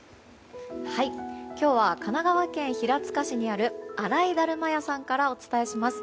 今日は神奈川県平塚市にある荒井だるま屋さんからお伝えします。